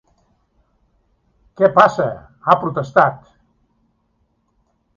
¿Què passa?, ha protestat.